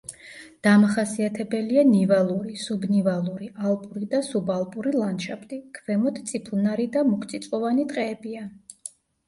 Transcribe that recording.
დამახასიათებელია ნივალური, სუბნივალური, ალპური და სუბალპური ლანდშაფტი, ქვემოთ წიფლნარი და მუქწიწვოვანი ტყეებია.